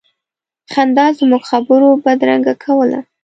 خندا زموږ خبرو بدرګه کوله.